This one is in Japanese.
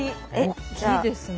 大きいですね。